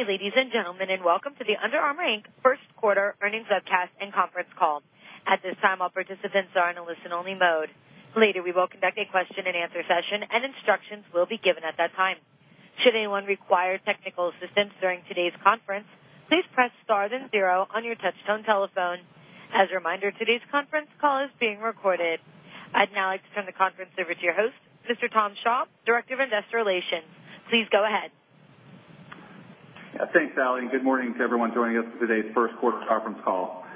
Good day, ladies and gentlemen, and welcome to the Under Armour, Inc. first quarter earnings webcast and conference call. At this time, all participants are in a listen-only mode. Later, we will conduct a question and answer session, and instructions will be given at that time. Should anyone require technical assistance during today's conference, please press star then zero on your touchtone telephone. As a reminder, today's conference call is being recorded. I'd now like to turn the conference over to your host, Mr. Tom Shaw, Director of Investor Relations. Please go ahead. Thanks, Ally, good morning to everyone joining us for today's first quarter conference call.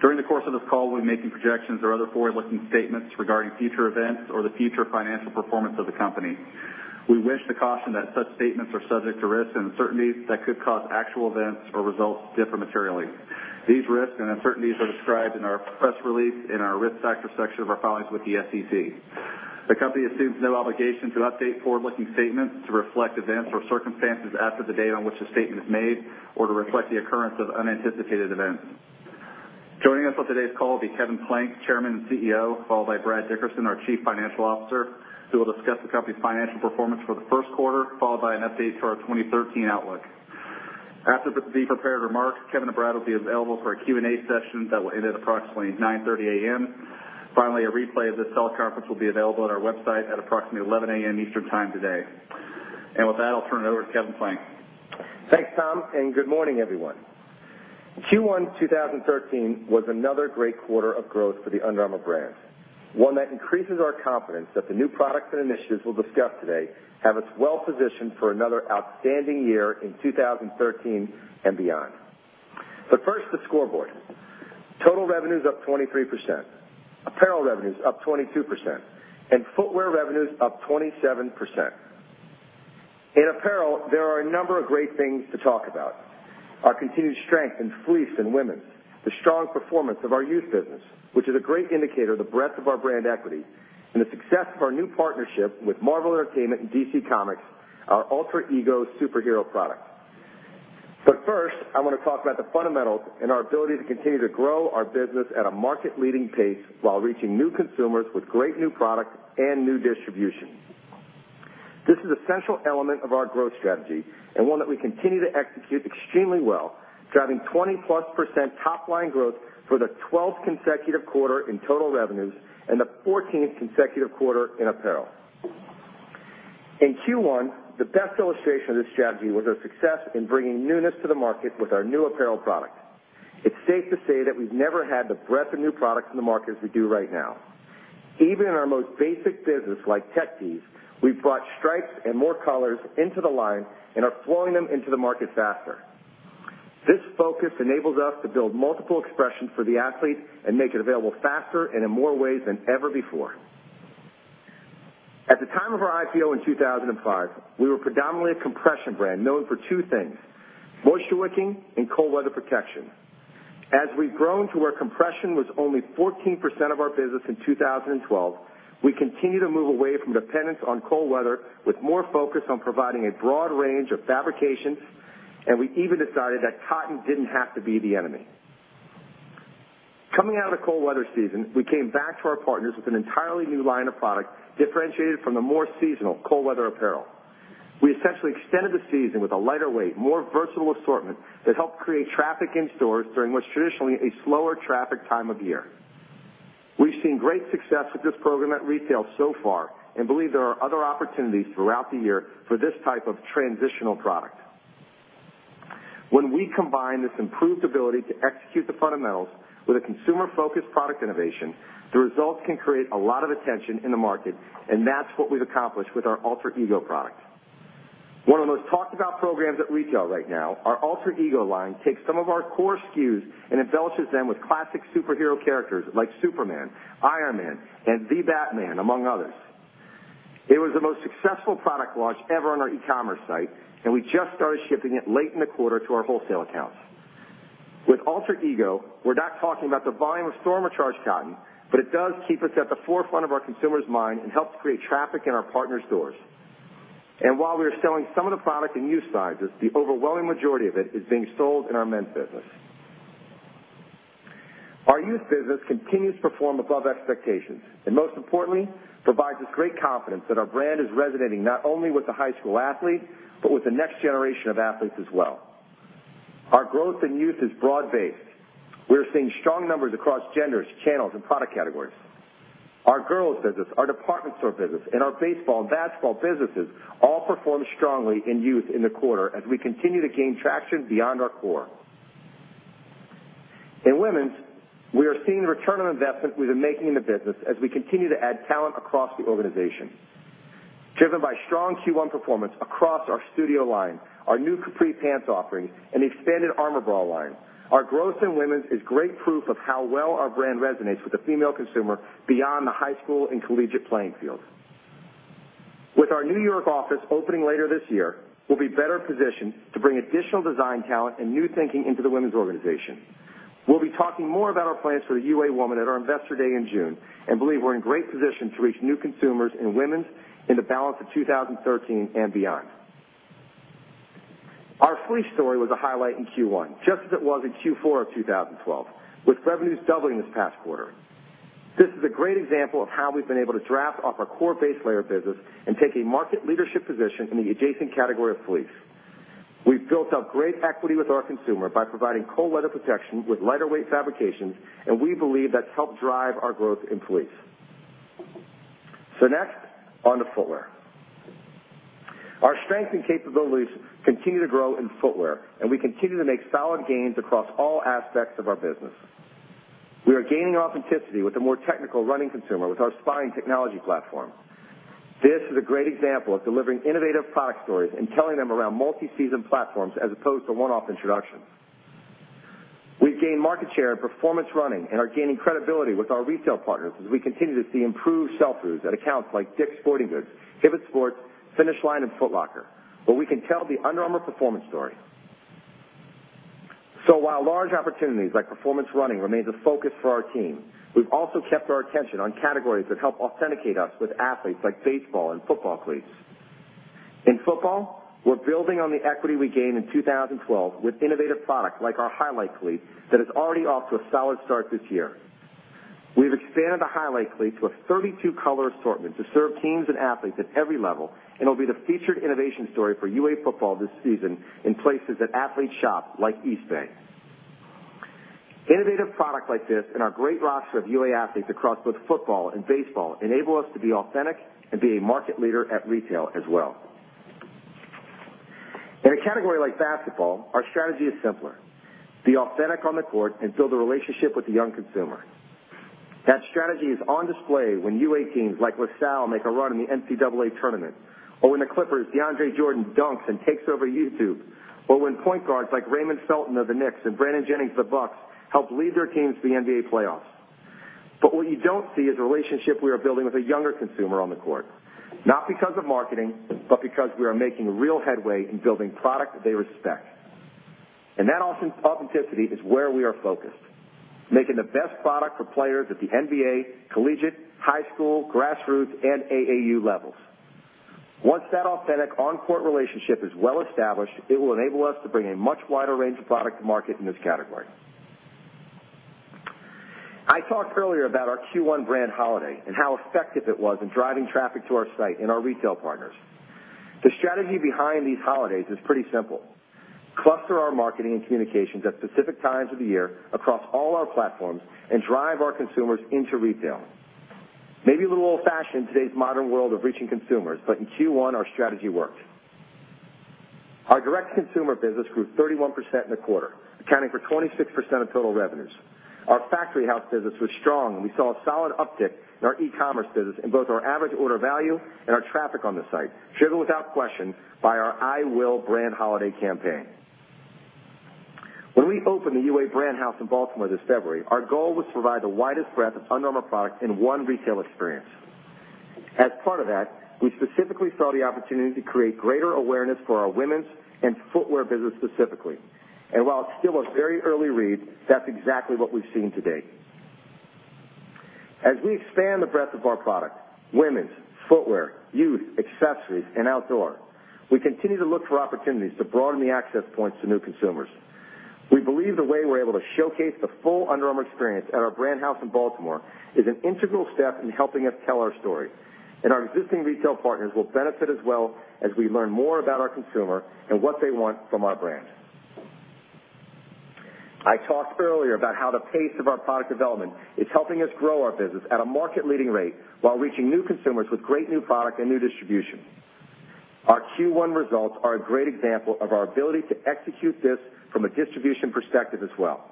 During the course of this call, we'll be making projections or other forward-looking statements regarding future events or the future financial performance of the company. We wish to caution that such statements are subject to risks and uncertainties that could cause actual events or results to differ materially. These risks and uncertainties are described in our press release in our Risk Factor section of our filings with the SEC. The company assumes no obligation to update forward-looking statements to reflect events or circumstances after the date on which a statement is made or to reflect the occurrence of unanticipated events. Joining us on today's call will be Kevin Plank, Chairman and CEO, followed by Brad Dickerson, our Chief Financial Officer, who will discuss the company's financial performance for the first quarter, followed by an update to our 2013 outlook. After the prepared remarks, Kevin and Brad will be available for a Q&A session that will end at approximately 9:30 A.M. Finally, a replay of this teleconference will be available on our website at approximately 11:00 A.M. Eastern Time today. With that, I'll turn it over to Kevin Plank. Thanks, Tom, good morning, everyone. Q1 2013 was another great quarter of growth for the Under Armour brand. One that increases our confidence that the new products and initiatives we'll discuss today have us well-positioned for another outstanding year in 2013 and beyond. First, the scoreboard. Total revenues up 23%, apparel revenues up 22%, footwear revenues up 27%. In apparel, there are a number of great things to talk about. Our continued strength in fleece and women's, the strong performance of our youth business, which is a great indicator of the breadth of our brand equity, and the success of our new partnership with Marvel Entertainment and DC Comics, our Alter Ego superhero product. First, I want to talk about the fundamentals and our ability to continue to grow our business at a market-leading pace while reaching new consumers with great new products and new distribution. This is an essential element of our growth strategy and one that we continue to execute extremely well, driving 20-plus % top-line growth for the 12th consecutive quarter in total revenues and the 14th consecutive quarter in apparel. In Q1, the best illustration of this strategy was our success in bringing newness to the market with our new apparel product. It's safe to say that we've never had the breadth of new products in the market as we do right now. Even in our most basic business, like tech tees, we've brought stripes and more colors into the line and are flowing them into the market faster. This focus enables us to build multiple expressions for the athlete and make it available faster and in more ways than ever before. At the time of our IPO in 2005, we were predominantly a compression brand known for two things, moisture wicking and cold weather protection. As we've grown to where compression was only 14% of our business in 2012, we continue to move away from dependence on cold weather with more focus on providing a broad range of fabrications. We even decided that cotton didn't have to be the enemy. Coming out of cold weather season, we came back to our partners with an entirely new line of product differentiated from the more seasonal cold weather apparel. We essentially extended the season with a lighter weight, more versatile assortment that helped create traffic in stores during what's traditionally a slower traffic time of year. We've seen great success with this program at retail so far and believe there are other opportunities throughout the year for this type of transitional product. When we combine this improved ability to execute the fundamentals with a consumer-focused product innovation, the results can create a lot of attention in the market, and that's what we've accomplished with our Alter Ego product. One of the most talked about programs at retail right now, our Alter Ego line takes some of our core SKUs and embellishes them with classic superhero characters like Superman, Iron Man, and the Batman, among others. It was the most successful product launch ever on our e-commerce site, and we just started shipping it late in the quarter to our wholesale accounts. With Alter Ego, we're not talking about the volume of Storm or Charged Cotton, but it does keep us at the forefront of our consumer's mind and helps create traffic in our partner stores. While we are selling some of the product in youth sizes, the overwhelming majority of it is being sold in our men's business. Our youth business continues to perform above expectations, and most importantly, provides us great confidence that our brand is resonating not only with the high school athlete, but with the next generation of athletes as well. Our growth in youth is broad-based. We're seeing strong numbers across genders, channels, and product categories. Our girls business, our department store business, and our baseball and basketball businesses all performed strongly in youth in the quarter as we continue to gain traction beyond our core. In women's, we are seeing the return on investment we've been making in the business as we continue to add talent across the organization. Driven by strong Q1 performance across our studio line, our new capri pants offering, and expanded Armour Bra line, our growth in women's is great proof of how well our brand resonates with the female consumer beyond the high school and collegiate playing field. With our New York office opening later this year, we'll be better positioned to bring additional design talent and new thinking into the women's organization. We'll be talking more about our plans for the UA woman at our investor day in June and believe we're in great position to reach new consumers in women's in the balance of 2013 and beyond. Our fleece story was a highlight in Q1, just as it was in Q4 of 2012, with revenues doubling this past quarter. This is a great example of how we've been able to draft off our core base layer business and take a market leadership position in the adjacent category of fleece. We've built up great equity with our consumer by providing cold weather protection with lighter weight fabrications, and we believe that's helped drive our growth in fleece. Next, on to footwear. Our strength and capabilities continue to grow in footwear, and we continue to make solid gains across all aspects of our business. We are gaining authenticity with the more technical running consumer with our Spine technology platform. This is a great example of delivering innovative product stories and telling them around multi-season platforms as opposed to one-off introductions. We've gained market share in performance running and are gaining credibility with our retail partners as we continue to see improved sell-throughs at accounts like Dick's Sporting Goods, Hibbett Sports, Finish Line, and Foot Locker, where we can tell the Under Armour performance story. While large opportunities like performance running remains a focus for our team, we've also kept our attention on categories that help authenticate us with athletes like baseball and football cleats. In football, we're building on the equity we gained in 2012 with innovative product like our Highlight cleat that is already off to a solid start this year. We've expanded the Highlight cleat to a 32-color assortment to serve teams and athletes at every level, and it'll be the featured innovation story for UA football this season in places that athlete shops like Eastbay. Innovative product like this and our great roster of UA athletes across both football and baseball enable us to be authentic and be a market leader at retail as well. In a category like basketball, our strategy is simpler. Be authentic on the court and build a relationship with the young consumer. That strategy is on display when UA teams like La Salle make a run in the NCAA tournament, or when the Clippers' DeAndre Jordan dunks and takes over YouTube, or when point guards like Raymond Felton of the Knicks and Brandon Jennings of the Bucks help lead their teams to the NBA playoffs. What you don't see is the relationship we are building with a younger consumer on the court, not because of marketing, but because we are making real headway in building product that they respect. That authenticity is where we are focused, making the best product for players at the NBA, collegiate, high school, grassroots, and AAU levels. Once that authentic on-court relationship is well established, it will enable us to bring a much wider range of product to market in this category. I talked earlier about our Q1 brand holiday and how effective it was in driving traffic to our site and our retail partners. The strategy behind these holidays is pretty simple. Cluster our marketing and communications at specific times of the year across all our platforms and drive our consumers into retail. Maybe a little old-fashioned in today's modern world of reaching consumers, but in Q1, our strategy worked. Our direct-to-consumer business grew 31% in the quarter, accounting for 26% of total revenues. Our Factory House business was strong, we saw a solid uptick in our e-commerce business in both our average order value and our traffic on the site, driven without question by our I WILL brand holiday campaign. When we opened the UA Brand House in Baltimore this February, our goal was to provide the widest breadth of Under Armour products in one retail experience. As part of that, we specifically saw the opportunity to create greater awareness for our women's and footwear business specifically. While it is still a very early read, that is exactly what we have seen to date. As we expand the breadth of our product, women's, footwear, youth, accessories, and outdoor, we continue to look for opportunities to broaden the access points to new consumers. We believe the way we are able to showcase the full Under Armour experience at our Brand House in Baltimore is an integral step in helping us tell our story. Our existing retail partners will benefit as well as we learn more about our consumer and what they want from our brand. I talked earlier about how the pace of our product development is helping us grow our business at a market-leading rate while reaching new consumers with great new product and new distribution. Our Q1 results are a great example of our ability to execute this from a distribution perspective as well.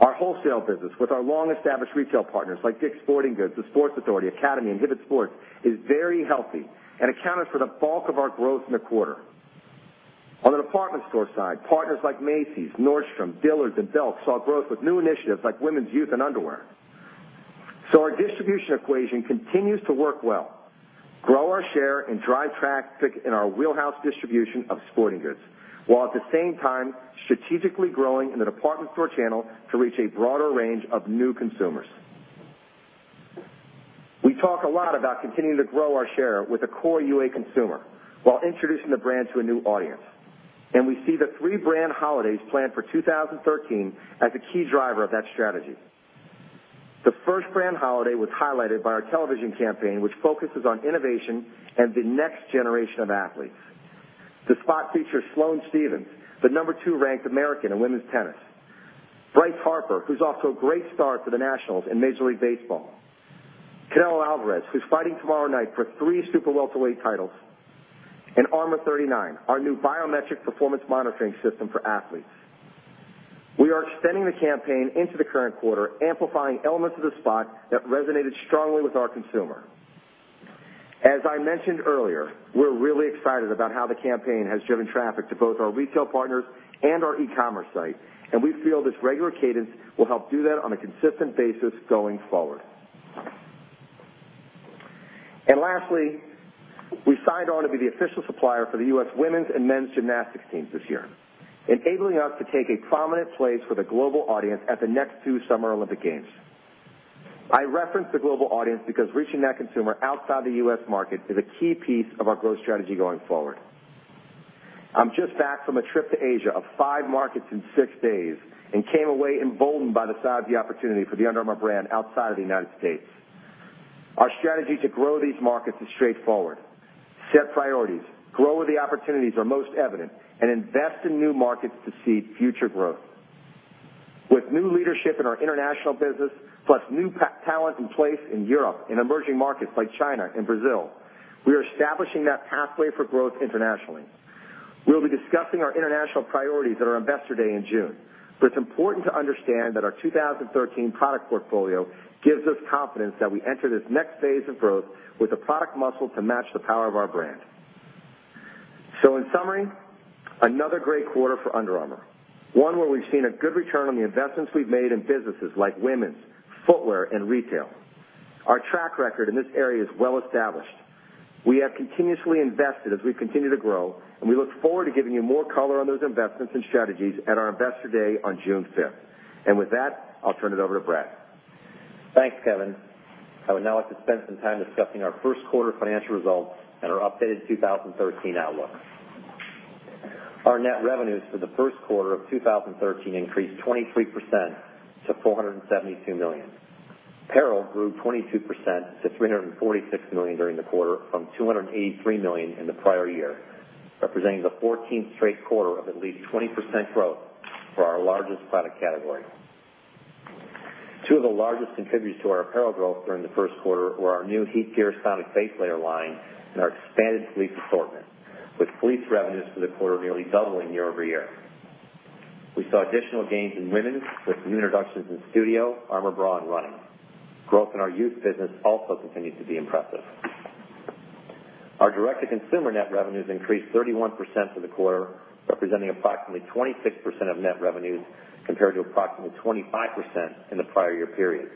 Our wholesale business with our long-established retail partners like Dick's Sporting Goods, The Sports Authority, Academy, and Hibbett Sports, is very healthy and accounted for the bulk of our growth in the quarter. On the department store side, partners like Macy's, Nordstrom, Dillard's, and Belk saw growth with new initiatives like women's, youth, and underwear. Our distribution equation continues to work well, grow our share, and drive traffic in our wheelhouse distribution of sporting goods, while at the same time, strategically growing in the department store channel to reach a broader range of new consumers. We talk a lot about continuing to grow our share with the core UA consumer while introducing the brand to a new audience. We see the three brand holidays planned for 2013 as a key driver of that strategy. The first brand holiday was highlighted by our television campaign, which focuses on innovation and the next generation of athletes. The spot features Sloane Stephens, the number 2 ranked American in women's tennis; Bryce Harper, who's off to a great start for the Nationals in Major League Baseball; Canelo Álvarez, who's fighting tomorrow night for three super welterweight titles; and Armour39, our new biometric performance monitoring system for athletes. We are extending the campaign into the current quarter, amplifying elements of the spot that resonated strongly with our consumer. As I mentioned earlier, we're really excited about how the campaign has driven traffic to both our retail partners and our e-commerce site, and we feel this regular cadence will help do that on a consistent basis going forward. Lastly, we signed on to be the official supplier for the U.S. women's and men's gymnastics teams this year, enabling us to take a prominent place for the global audience at the next two Summer Olympic Games. I reference the global audience because reaching that consumer outside the U.S. market is a key piece of our growth strategy going forward. I'm just back from a trip to Asia of five markets in six days, and came away emboldened by the size of the opportunity for the Under Armour brand outside of the United States. Our strategy to grow these markets is straightforward: set priorities, grow where the opportunities are most evident, and invest in new markets to seed future growth. With new leadership in our international business, plus new talent in place in Europe and emerging markets like China and Brazil, we are establishing that pathway for growth internationally. We'll be discussing our international priorities at our Investor Day in June, it's important to understand that our 2013 product portfolio gives us confidence that we enter this next phase of growth with the product muscle to match the power of our brand. In summary, another great quarter for Under Armour. One where we've seen a good return on the investments we've made in businesses like women's, footwear, and retail. Our track record in this area is well-established. We have continuously invested as we continue to grow, and we look forward to giving you more color on those investments and strategies at our Investor Day on June 5th. With that, I'll turn it over to Brad. Thanks, Kevin. I would now like to spend some time discussing our first quarter financial results and our updated 2013 outlook. Our net revenues for the first quarter of 2013 increased 23% to $472 million. Apparel grew 22% to $346 million during the quarter, from $283 million in the prior year, representing the 14th straight quarter of at least 20% growth for our largest product category. Two of the largest contributors to our apparel growth during the first quarter were our new HeatGear Sonic base layer line and our expanded fleece assortment, with fleece revenues for the quarter nearly doubling year-over-year. We saw additional gains in women's with new introductions in studio, ArmourBra, and running. Growth in our youth business also continued to be impressive. Our direct-to-consumer net revenues increased 31% for the quarter, representing approximately 26% of net revenues, compared to approximately 25% in the prior year period.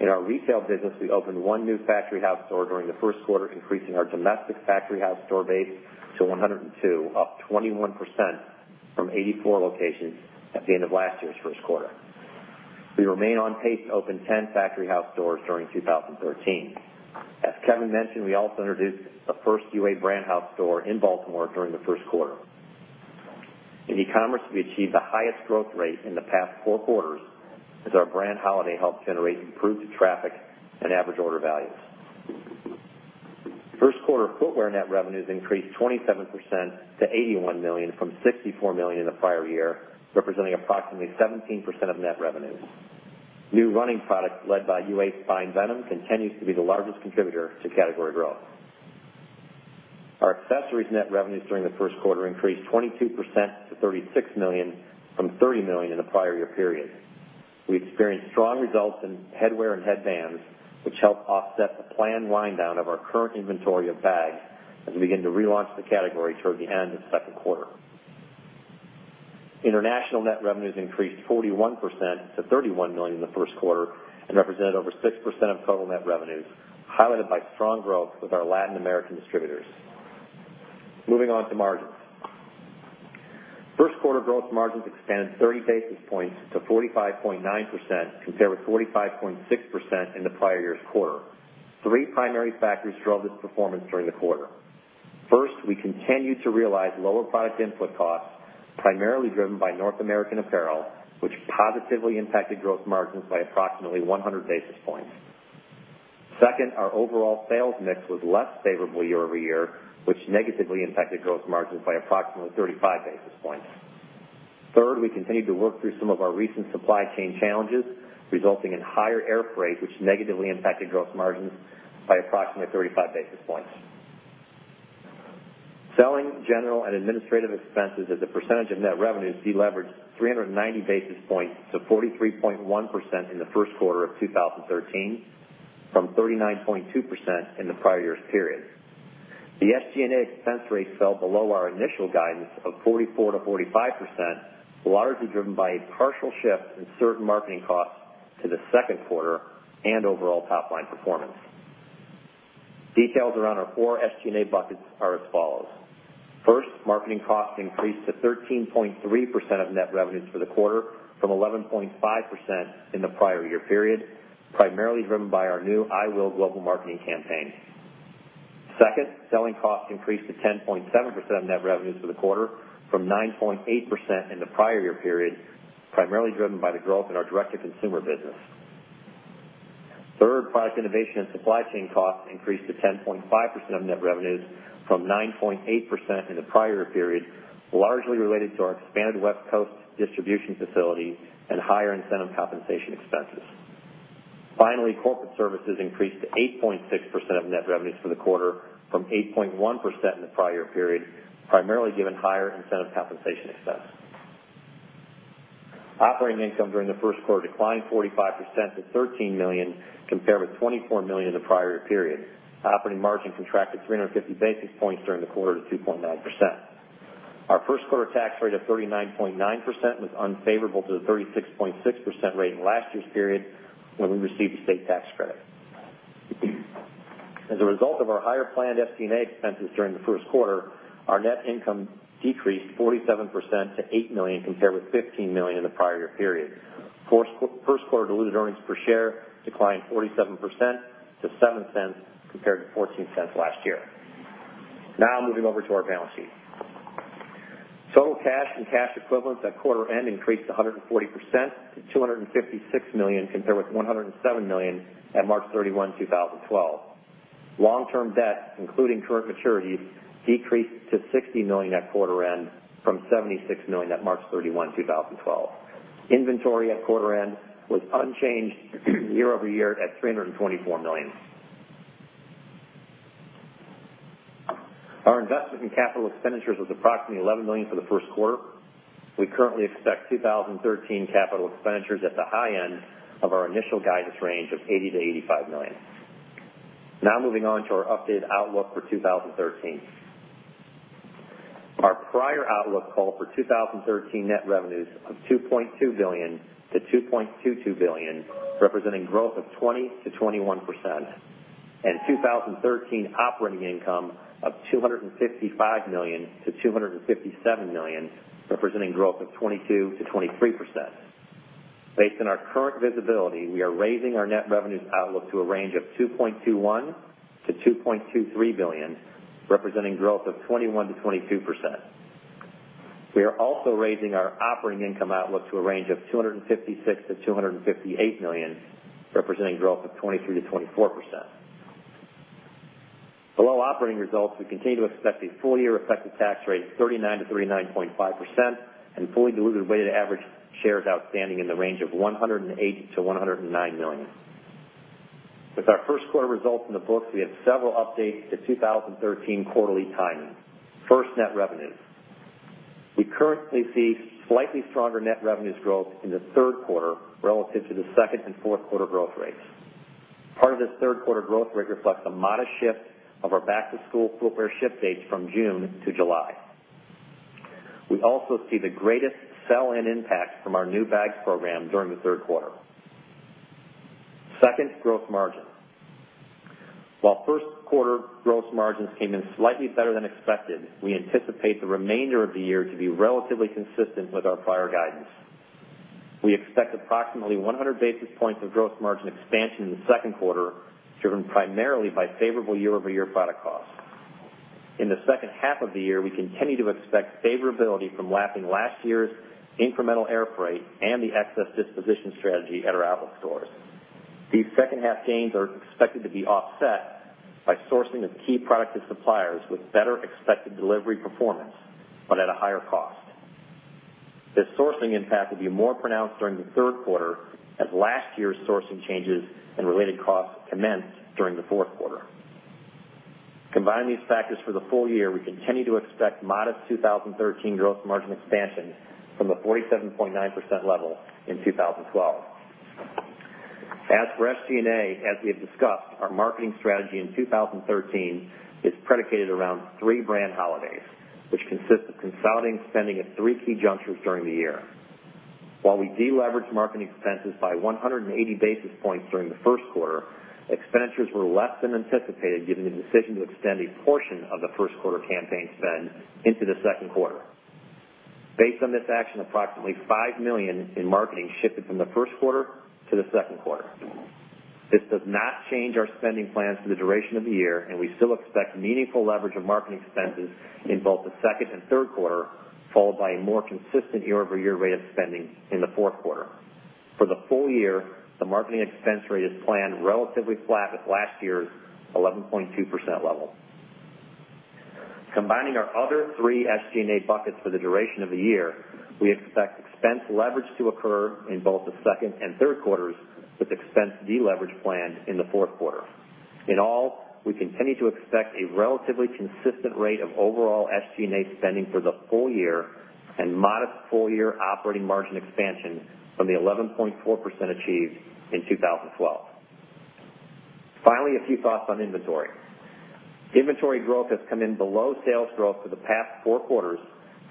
In our retail business, we opened one new Factory House store during the first quarter, increasing our domestic Factory House store base to 102, up 21% from 84 locations at the end of last year's first quarter. We remain on pace to open 10 Factory House stores during 2013. As Kevin mentioned, we also introduced the first UA Brand House store in Baltimore during the first quarter. In e-commerce, we achieved the highest growth rate in the past four quarters as our brand holiday helped generate improved traffic and average order values. First quarter footwear net revenues increased 27% to $81 million from $64 million in the prior year, representing approximately 17% of net revenues. New running products led by UA's Spine Venom continues to be the largest contributor to category growth. Our accessories net revenues during the first quarter increased 22% to $36 million from $30 million in the prior year period. We experienced strong results in headwear and headbands, which helped offset the planned wind down of our current inventory of bags as we begin to relaunch the category towards the end of the second quarter. International net revenues increased 41% to $31 million in the first quarter and represented over 6% of total net revenues, highlighted by strong growth with our Latin American distributors. Moving on to margins. First quarter gross margins expanded 30 basis points to 45.9%, compared with 45.6% in the prior year's quarter. Three primary factors drove this performance during the quarter. First, we continued to realize lower product input costs, primarily driven by North American apparel, which positively impacted gross margins by approximately 100 basis points. Second, our overall sales mix was less favorable year-over-year, which negatively impacted gross margins by approximately 35 basis points. Third, we continued to work through some of our recent supply chain challenges, resulting in higher air freight, which negatively impacted gross margins by approximately 35 basis points. Selling, general, and administrative expenses as a percentage of net revenues deleveraged 390 basis points to 43.1% in the first quarter of 2013 from 39.2% in the prior year's period. The SG&A expense rate fell below our initial guidance of 44%-45%, largely driven by a partial shift in certain marketing costs to the second quarter and overall top-line performance. Details around our four SG&A buckets are as follows. First, marketing costs increased to 13.3% of net revenues for the quarter from 11.5% in the prior year period, primarily driven by our new I WILL global marketing campaign. Second, selling costs increased to 10.7% of net revenues for the quarter from 9.8% in the prior year period, primarily driven by the growth in our direct-to-consumer business. Third, product innovation and supply chain costs increased to 10.5% of net revenues from 9.8% in the prior year period, largely related to our expanded West Coast distribution facility and higher incentive compensation expenses. Finally, corporate services increased to 8.6% of net revenues for the quarter from 8.1% in the prior year period, primarily given higher incentive compensation expense. Operating income during the first quarter declined 45% to $13 million, compared with $24 million in the prior year period. Operating margin contracted 350 basis points during the quarter to 2.9%. Our first quarter tax rate of 39.9% was unfavorable to the 36.6% rate in last year's period when we received a state tax credit. As a result of our higher planned SG&A expenses during the first quarter, our net income decreased 47% to $8 million, compared with $15 million in the prior year period. First quarter diluted earnings per share declined 47% to $0.07 compared to $0.14 last year. Moving over to our balance sheet. Total cash and cash equivalents at quarter end increased 140% to $256 million, compared with $107 million at March 31, 2012. Long-term debt, including current maturities, decreased to $60 million at quarter end from $76 million at March 31, 2012. Inventory at quarter end was unchanged year-over-year at $324 million. Our investment in capital expenditures was approximately $11 million for the first quarter. We currently expect 2013 capital expenditures at the high end of our initial guidance range of $80 million-$85 million. Moving on to our updated outlook for 2013. Our prior outlook called for 2013 net revenues of $2.2 billion-$2.22 billion, representing growth of 20%-21%, and 2013 operating income of $255 million-$257 million, representing growth of 22%-23%. Based on our current visibility, we are raising our net revenues outlook to a range of $2.21 billion-$2.23 billion, representing growth of 21%-22%. We are also raising our operating income outlook to a range of $256 million-$258 million, representing growth of 23%-24%. Below operating results, we continue to expect a full-year effective tax rate of 39%-39.5% and fully diluted weighted average shares outstanding in the range of 108 million-109 million. With our first quarter results in the books, we have several updates to 2013 quarterly timing. Net revenues. We currently see slightly stronger net revenues growth in the third quarter relative to the second and fourth quarter growth rates. Part of this third quarter growth rate reflects a modest shift of our back-to-school footwear ship dates from June to July. We also see the greatest sell-in impact from our new bags program during the third quarter. Gross margin. While first quarter gross margins came in slightly better than expected, we anticipate the remainder of the year to be relatively consistent with our prior guidance. We expect approximately 100 basis points of gross margin expansion in the second quarter, driven primarily by favorable year-over-year product costs. In the second half of the year, we continue to expect favorability from lapping last year's incremental air freight and the excess disposition strategy at our outlet stores. These second half gains are expected to be offset by sourcing of key product and suppliers with better expected delivery performance, but at a higher cost. This sourcing impact will be more pronounced during the third quarter as last year's sourcing changes and related costs commence during the fourth quarter. Combining these factors for the full year, we continue to expect modest 2013 gross margin expansion from the 47.9% level in 2012. As for SG&A, as we have discussed, our marketing strategy in 2013 is predicated around three brand holidays, which consist of consolidating spending at three key junctures during the year. While we de-leveraged marketing expenses by 180 basis points during the first quarter, expenditures were less than anticipated given the decision to extend a portion of the first quarter campaign spend into the second quarter. Based on this action, approximately $5 million in marketing shifted from the first quarter to the second quarter. This does not change our spending plans for the duration of the year, and we still expect meaningful leverage of marketing expenses in both the second and third quarter, followed by a more consistent year-over-year rate of spending in the fourth quarter. For the full year, the marketing expense rate is planned relatively flat with last year's 11.2% level. Combining our other three SG&A buckets for the duration of the year, we expect expense leverage to occur in both the second and third quarters, with expense de-leverage planned in the fourth quarter. In all, we continue to expect a relatively consistent rate of overall SG&A spending for the full year and modest full-year operating margin expansion from the 11.4% achieved in 2012. Finally, a few thoughts on inventory. Inventory growth has come in below sales growth for the past four quarters,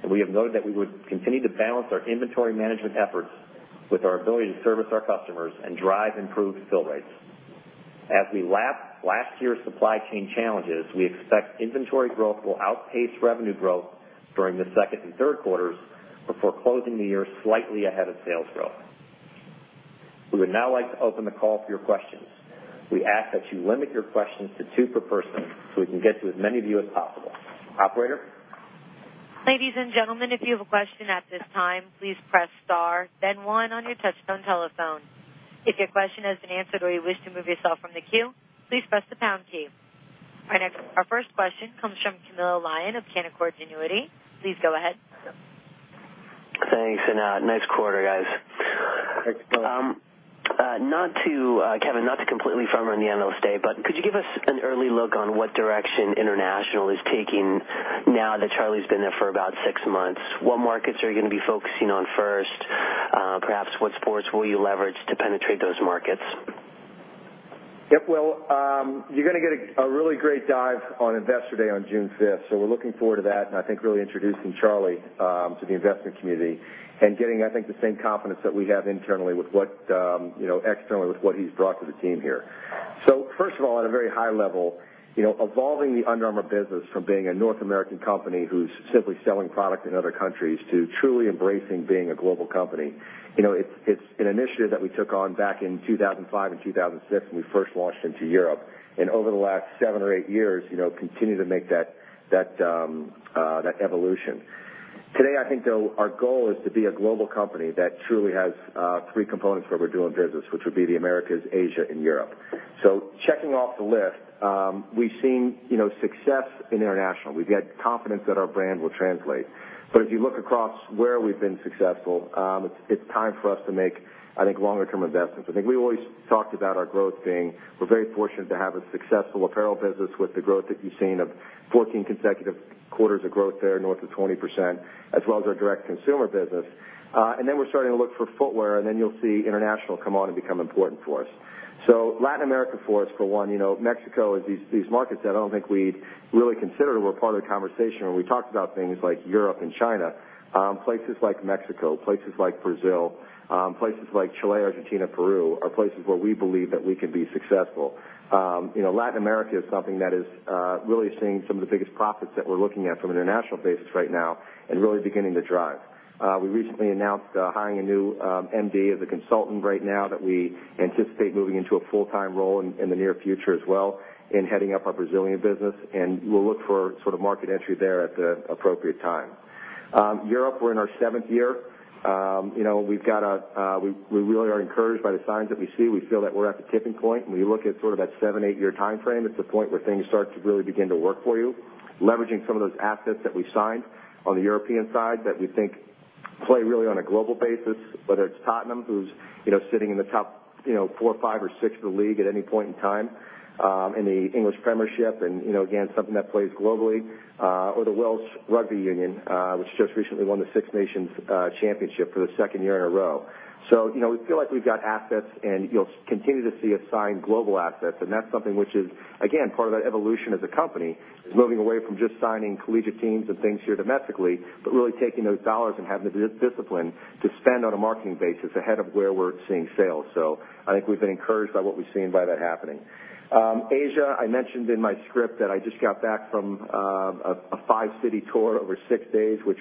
and we have noted that we would continue to balance our inventory management efforts with our ability to service our customers and drive improved fill rates. As we lap last year's supply chain challenges, we expect inventory growth will outpace revenue growth during the second and third quarters before closing the year slightly ahead of sales growth. We would now like to open the call for your questions. We ask that you limit your questions to two per person so we can get to as many of you as possible. Operator? Ladies and gentlemen, if you have a question at this time, please press star then one on your touch-tone telephone. If your question has been answered or you wish to remove yourself from the queue, please press the pound key. Our first question comes from Camilo Lyon of Canaccord Genuity. Please go ahead. Thanks, nice quarter, guys. Thanks. Kevin, not to completely farm on the analyst day, but could you give us an early look on what direction international is taking now that Charlie's been there for about six months? What markets are you going to be focusing on first? Perhaps what sports will you leverage to penetrate those markets? Yep. Well, you're going to get a really great dive on Investor Day on June 5th. We're looking forward to that and I think really introducing Charlie to the investment community and getting, I think, the same confidence that we have externally with what he's brought to the team here. First of all, at a very high level, evolving the Under Armour business from being a North American company who's simply selling product in other countries to truly embracing being a global company. It's an initiative that we took on back in 2005 and 2006 when we first launched into Europe, and over the last seven or eight years, continue to make that evolution. Today, I think though our goal is to be a global company that truly has three components where we're doing business, which would be the Americas, Asia, and Europe. Checking off the list, we've seen success in international. We've got confidence that our brand will translate. If you look across where we've been successful, it's time for us to make, I think, longer term investments. I think we always talked about our growth being, we're very fortunate to have a successful apparel business with the growth that you've seen of 14 consecutive quarters of growth there, north of 20%, as well as our direct-to- consumer business. We're starting to look for footwear, and then you'll see international come on and become important for us. Latin America for us, for one, Mexico is these markets that I don't think we'd really considered were part of the conversation when we talked about things like Europe and China. Places like Mexico, places like Brazil, places like Chile, Argentina, Peru, are places where we believe that we can be successful. Latin America is something that is really seeing some of the biggest profits that we're looking at from an international basis right now and really beginning to drive. We recently announced hiring a new MD as a consultant right now that we anticipate moving into a full-time role in the near future as well in heading up our Brazilian business, and we'll look for sort of market entry there at the appropriate time. Europe, we're in our seventh year. We really are encouraged by the signs that we see. We feel that we're at the tipping point. When you look at sort of that seven, eight-year timeframe, it's the point where things start to really begin to work for you. Leveraging some of those assets that we signed on the European side that we think play really on a global basis, whether it is Tottenham, who is sitting in the top four, five or six of the league at any point in time in the Premier League, again, something that plays globally. Or the Welsh Rugby Union, which just recently won the Six Nations Championship for the second year in a row. We feel like we've got assets, and you will continue to see us sign global assets, and that is something which is, again, part of that evolution as a company, is moving away from just signing collegiate teams and things here domestically, but really taking those dollars and having the discipline to spend on a marketing basis ahead of where we are seeing sales. I think we've been encouraged by what we've seen by that happening. Asia, I mentioned in my script that I just got back from a five-city tour over six days, which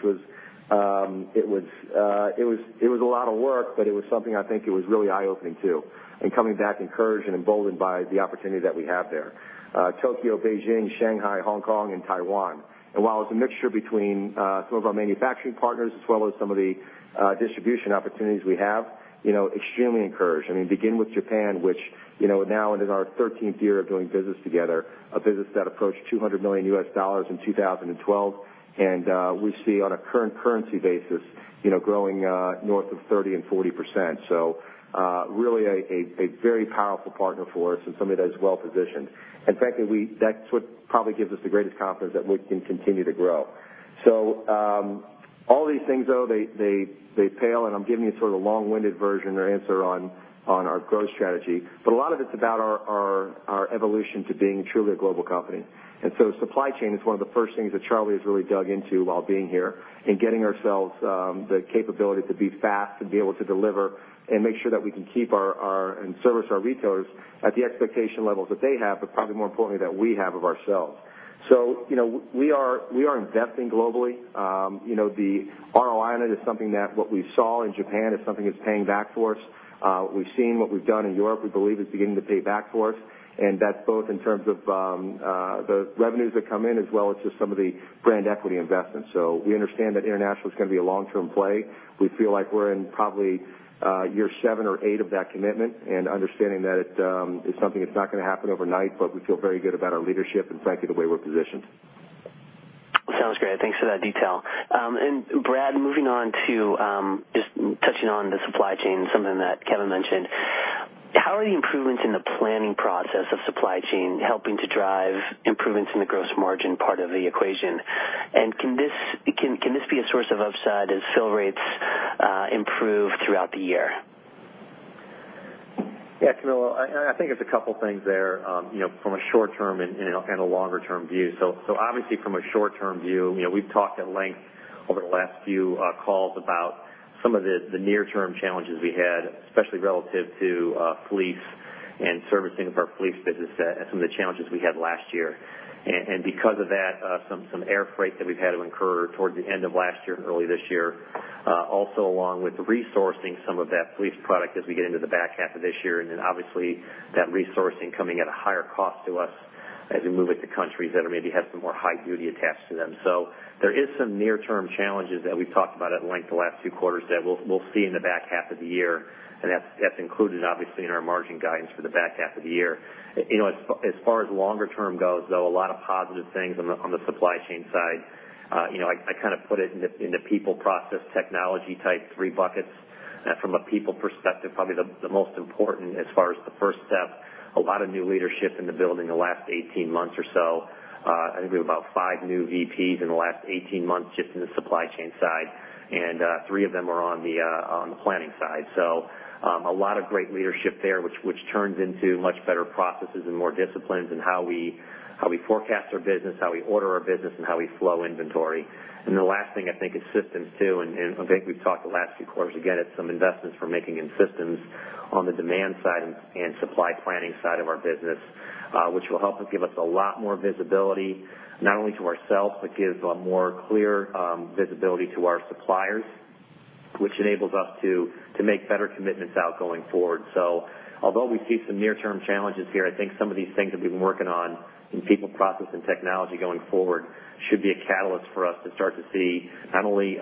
was a lot of work, but it was something I think it was really eye-opening, too. Coming back encouraged and emboldened by the opportunity that we have there. Tokyo, Beijing, Shanghai, Hong Kong, and Taiwan. While it is a mixture between some of our manufacturing partners as well as some of the distribution opportunities we have, extremely encouraged. Begin with Japan, which now it is our 13th year of doing business together, a business that approached $200 million in 2012, and we see on a current currency basis growing north of 30% and 40%. Really a very powerful partner for us and somebody that is well positioned. In fact, that is what probably gives us the greatest confidence that we can continue to grow. All these things, though, they pale and I am giving you sort of the long-winded version or answer on our growth strategy. A lot of it is about our evolution to being truly a global company. Supply chain is one of the first things that Charlie has really dug into while being here and getting ourselves the capability to be fast and be able to deliver and make sure that we can keep our and service our retailers at the expectation levels that they have, but probably more importantly, that we have of ourselves. We are investing globally. The ROI on it is something that what we saw in Japan is something that is paying back for us. We've seen what we've done in Europe, we believe is beginning to pay back for us, and that is both in terms of the revenues that come in as well as just some of the brand equity investments. We understand that international is going to be a long-term play. We feel like we are in probably year seven or eight of that commitment and understanding that it is something that is not going to happen overnight, but we feel very good about our leadership and frankly, the way we are positioned. Sounds great. Thanks for that detail. Brad, moving on to just touching on the supply chain, something that Kevin mentioned. How are the improvements in the planning process of supply chain helping to drive improvements in the gross margin part of the equation? Can this be a source of upside as fill rates improve throughout the year? Yeah, Camilo, I think it's a couple things there, from a short term and a longer term view. Obviously from a short term view, we've talked at length over the last few calls about some of the near term challenges we had, especially relative to fleece and servicing of our fleece business and some of the challenges we had last year. Because of that, some air freight that we've had to incur towards the end of last year and early this year. Also along with resourcing some of that fleece product as we get into the back half of this year, obviously that resourcing coming at a higher cost to us as we move into countries that maybe have some more high duty attached to them. There is some near term challenges that we've talked about at length the last few quarters that we'll see in the back half of the year, that's included, obviously, in our margin guidance for the back half of the year. As far as longer term goes, though, a lot of positive things on the supply chain side. I kind of put it into people, process, technology type 3 buckets. From a people perspective, probably the most important as far as the first step, a lot of new leadership in the building the last 18 months or so. I think we have about five new VPs in the last 18 months just in the supply chain side, three of them are on the planning side. A lot of great leadership there, which turns into much better processes and more disciplines in how we forecast our business, how we order our business, and how we flow inventory. The last thing I think is systems, too, I think we've talked the last few quarters, again, at some investments we're making in systems on the demand side and supply planning side of our business, which will help us give us a lot more visibility, not only to ourselves, but give a more clear visibility to our suppliers. Which enables us to make better commitments out going forward. Although we see some near-term challenges here, I think some of these things that we've been working on in people, process, and technology going forward should be a catalyst for us to start to see not only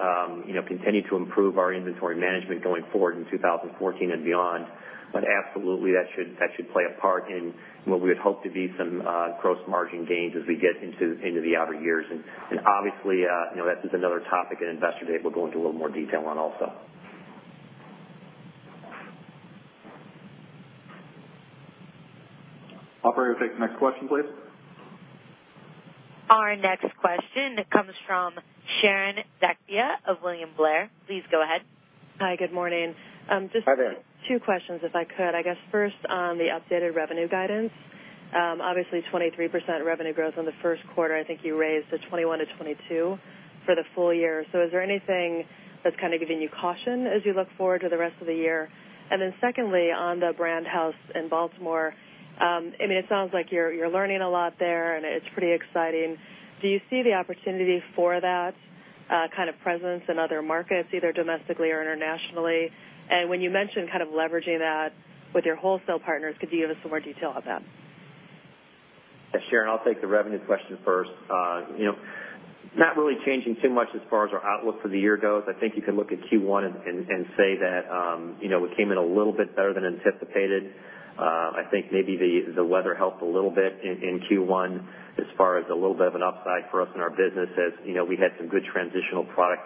continue to improve our inventory management going forward in 2014 and beyond, but absolutely that should play a part in what we would hope to be some gross margin gains as we get into the outer years. Obviously, that is another topic at Investor Day we'll go into a little more detail on also. Operator, take the next question, please. Our next question comes from Sharon Zackfia of William Blair. Please go ahead. Hi, good morning. Hi, there. Just two questions if I could. I guess first on the updated revenue guidance. Obviously, 23% revenue growth on the first quarter, I think you raised to 21%-22% for the full year. Is there anything that's giving you caution as you look forward to the rest of the year? Secondly, on the Brand House in Baltimore, it sounds like you're learning a lot there and it's pretty exciting. Do you see the opportunity for that kind of presence in other markets, either domestically or internationally? When you mention leveraging that with your wholesale partners, could you give us some more detail on that? Yeah, Sharon, I'll take the revenue question first. Not really changing too much as far as our outlook for the year goes. I think you can look at Q1 and say that we came in a little bit better than anticipated. I think maybe the weather helped a little bit in Q1 as far as a little bit of an upside for us in our business as we had some good transitional product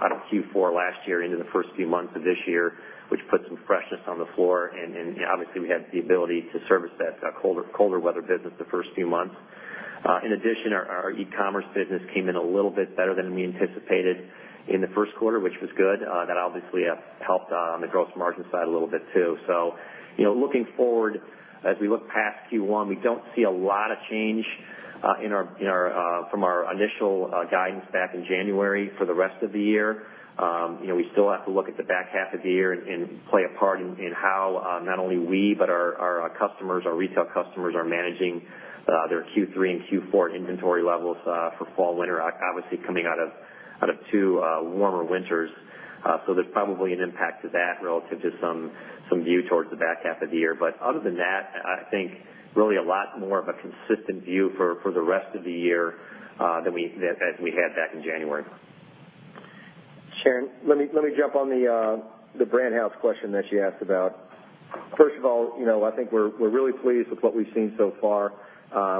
out of Q4 last year into the first few months of this year, which put some freshness on the floor, and obviously we had the ability to service that colder weather business the first few months. In addition, our e-commerce business came in a little bit better than we anticipated in the first quarter, which was good. That obviously helped on the gross margin side a little bit too. Looking forward, as we look past Q1, we don't see a lot of change from our initial guidance back in January for the rest of the year. We still have to look at the back half of the year and play a part in how not only we but our retail customers are managing their Q3 and Q4 inventory levels for fall/winter, obviously coming out of two warmer winters. There's probably an impact to that relative to some view towards the back half of the year. Other than that, I think really a lot more of a consistent view for the rest of the year than we had back in January. Sharon, let me jump on the Under Armour Brand House question that you asked about. First of all, I think we're really pleased with what we've seen so far.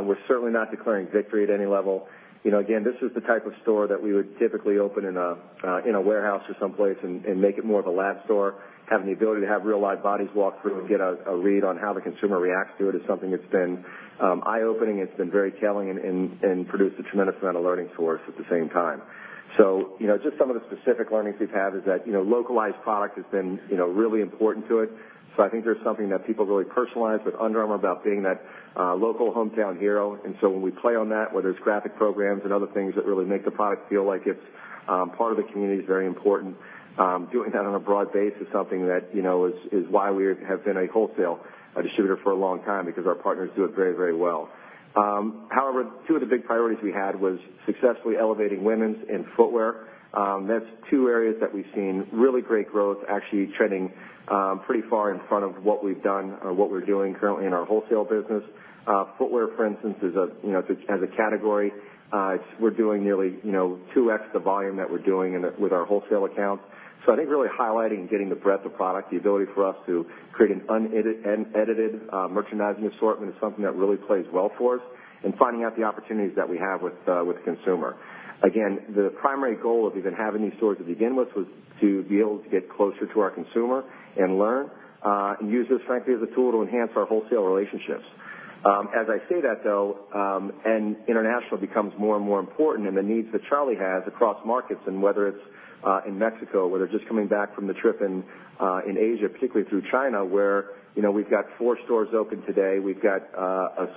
We're certainly not declaring victory at any level. Again, this is the type of store that we would typically open in a warehouse or someplace and make it more of a lab store, have the ability to have real live bodies walk through and get a read on how the consumer reacts to it is something that's been eye-opening. It's been very telling and produced a tremendous amount of learning for us at the same time. Just some of the specific learnings we've had is that localized product has been really important to it. I think there's something that people really personalize with Under Armour about being that local hometown hero. When we play on that, whether it's graphic programs and other things that really make the product feel like it's part of the community is very important. Doing that on a broad base is something that is why we have been a wholesale distributor for a long time because our partners do it very well. However, two of the big priorities we had was successfully elevating women's and footwear. That's two areas that we've seen really great growth actually trending pretty far in front of what we've done or what we're doing currently in our wholesale business. Footwear, for instance, as a category, we're doing nearly 2x the volume that we're doing with our wholesale accounts. I think really highlighting and getting the breadth of product, the ability for us to create an unedited merchandising assortment is something that really plays well for us and finding out the opportunities that we have with the consumer. Again, the primary goal of even having these stores to begin with was to be able to get closer to our consumer and learn, and use this frankly as a tool to enhance our wholesale relationships. As I say that, though, international becomes more and more important and the needs that Charlie has across markets and whether it's in Mexico, where they're just coming back from the trip in Asia, particularly through China, where we've got four stores open today. We've got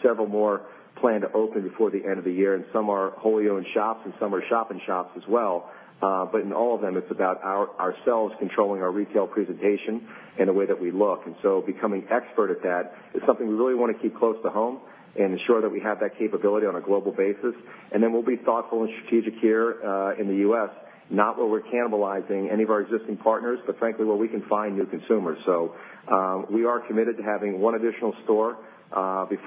several more planned to open before the end of the year, and some are wholly owned shops and some are shop in shops as well. In all of them, it's about ourselves controlling our retail presentation and the way that we look. Becoming expert at that is something we really want to keep close to home and ensure that we have that capability on a global basis. We'll be thoughtful and strategic here in the U.S., not where we're cannibalizing any of our existing partners, but frankly, where we can find new consumers. We are committed to having one additional store we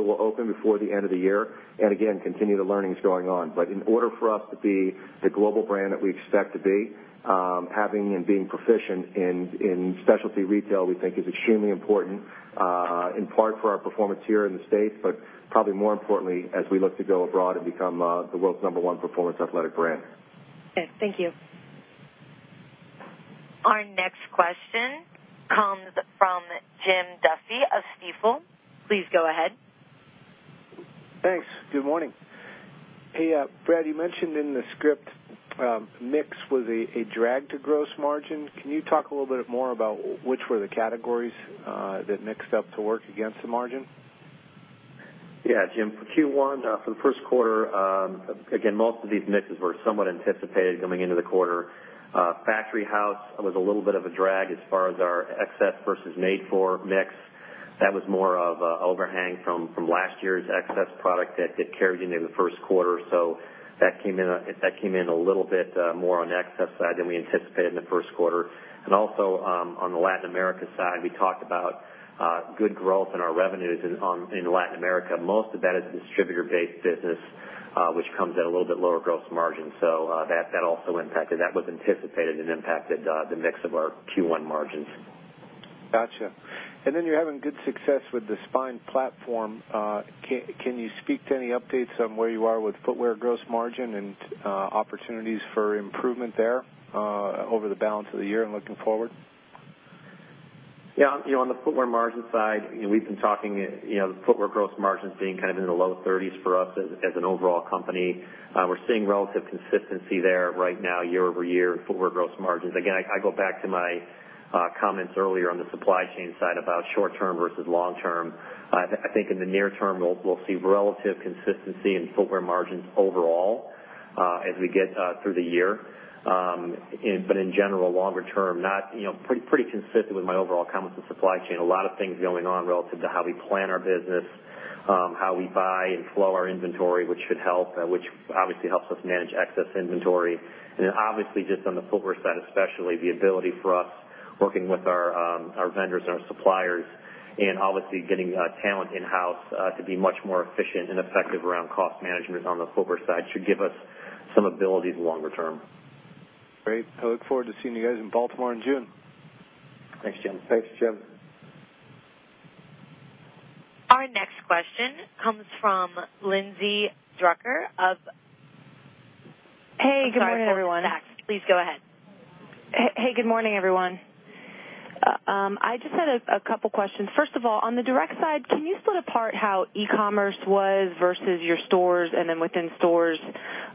will open before the end of the year and again continue the learnings going on. In order for us to be the global brand that we expect to be, having and being proficient in specialty retail we think is extremely important, in part for our performance here in the U.S., but probably more importantly as we look to go abroad and become the world's number 1 performance athletic brand. Okay. Thank you. Our next question comes from Jim Duffy of Stifel. Please go ahead. Thanks. Good morning. Hey, Brad, you mentioned in the script mix was a drag to gross margin. Can you talk a little bit more about which were the categories that mixed up to work against the margin? Jim, for Q1, for the first quarter, again, most of these mixes were somewhat anticipated coming into the quarter. Factory House was a little bit of a drag as far as our excess versus made for mix. That was more of an overhang from last year's excess product that carried into the first quarter. That came in a little bit more on the excess side than we anticipated in the first quarter. Also, on the Latin America side, we talked about good growth in our revenues in Latin America. Most of that is distributor-based business, which comes at a little bit lower gross margin. That also impacted. That was anticipated and impacted the mix of our Q1 margins. Got you. Then you're having good success with the Spine platform. Can you speak to any updates on where you are with footwear gross margin and opportunities for improvement there over the balance of the year and looking forward? Yeah. On the footwear margin side, we've been talking the footwear gross margins being in the low 30s for us as an overall company. We're seeing relative consistency there right now year-over-year in footwear gross margins. Again, I go back to my comments earlier on the supply chain side about short term versus long term. I think in the near term, we'll see relative consistency in footwear margins overall as we get through the year. In general, longer term, pretty consistent with my overall comments on supply chain. A lot of things going on relative to how we plan our business, how we buy and flow our inventory, which should help, which obviously helps us manage excess inventory. Then obviously just on the footwear side, especially the ability for us working with our vendors and our suppliers and obviously getting talent in-house to be much more efficient and effective around cost management on the footwear side should give us some abilities longer term. Great. I look forward to seeing you guys in Baltimore in June. Thanks, Jim. Thanks, Jim. Our next question comes from Lindsay Drucker of Hey, good morning, everyone. I'm sorry. Back. Please go ahead. Hey, good morning, everyone. I just had a couple questions. First of all, on the direct side, can you split apart how e-commerce was versus your stores? Then within stores,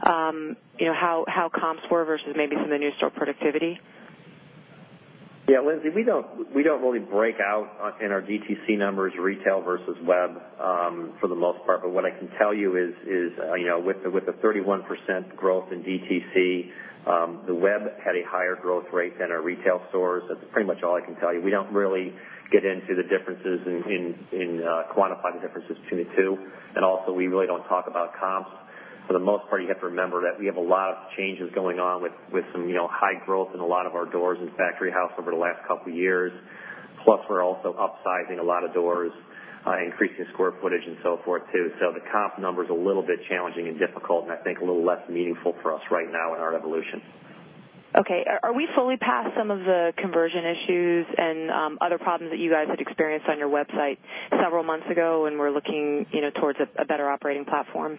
how comps were versus maybe some of the new store productivity? Yeah, Lindsay, we don't really break out in our DTC numbers, retail versus web, for the most part. What I can tell you is with the 31% growth in DTC, the web had a higher growth rate than our retail stores. That's pretty much all I can tell you. We don't really get into the differences and quantify the differences between the two. Also, we really don't talk about comps. For the most part, you have to remember that we have a lot of changes going on with some high growth in a lot of our doors in Factory House over the last couple of years. Plus, we're also upsizing a lot of doors, increasing square footage and so forth, too. The comp number's a little bit challenging and difficult, and I think a little less meaningful for us right now in our evolution. Are we fully past some of the conversion issues and other problems that you guys had experienced on your website several months ago, and we're looking towards a better operating platform?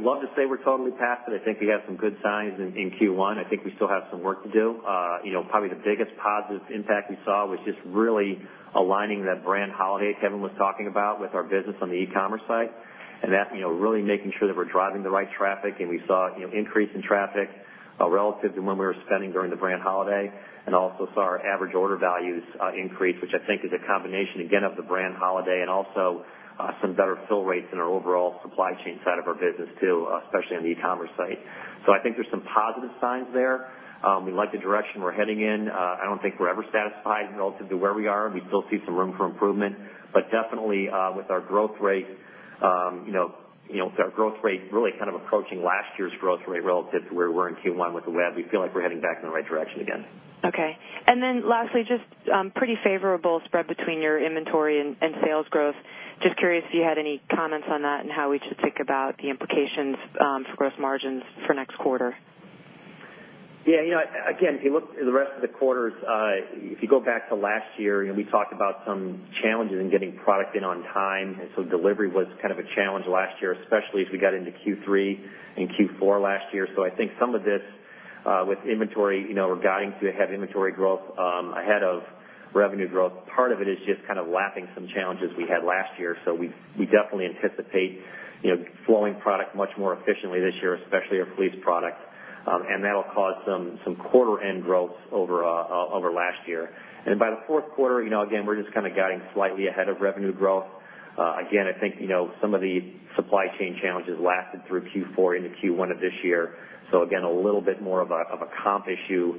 Love to say we're totally past it. I think we have some good signs in Q1. I think we still have some work to do. Probably the biggest positive impact we saw was just really aligning that brand holiday Kevin was talking about with our business on the e-commerce site, and that really making sure that we're driving the right traffic. We saw increase in traffic relative to when we were spending during the brand holiday and also saw our average order values increase, which I think is a combination, again, of the brand holiday and also some better fill rates in our overall supply chain side of our business, too, especially on the e-commerce site. I think there's some positive signs there. We like the direction we're heading in. I don't think we're ever satisfied relative to where we are, and we still see some room for improvement. Definitely with our growth rate really kind of approaching last year's growth rate relative to where we were in Q1 with the web, we feel like we're heading back in the right direction again. Lastly, just pretty favorable spread between your inventory and sales growth. Just curious if you had any comments on that and how we should think about the implications for gross margins for next quarter. Yeah. If you look at the rest of the quarters, if you go back to last year, we talked about some challenges in getting product in on time. Delivery was kind of a challenge last year, especially as we got into Q3 and Q4 last year. I think some of this with inventory, we're guiding to have inventory growth ahead of revenue growth. Part of it is just kind of lapping some challenges we had last year. We definitely anticipate flowing product much more efficiently this year, especially our fleece product. That'll cause some quarter-end growths over last year. By the fourth quarter, we're just kind of guiding slightly ahead of revenue growth. I think some of the supply chain challenges lasted through Q4 into Q1 of this year. A little bit more of a comp issue